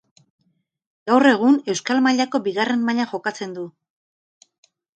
Gaur egun Euskal Mailako bigarren mailan jokatzen du.